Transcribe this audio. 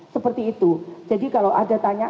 seperti itu jadi kalau ada tanya